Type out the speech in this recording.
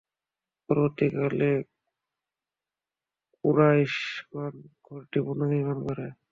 পরবর্তীকালে কুরায়শগণ ঘরটি পুনর্নির্মাণ করে।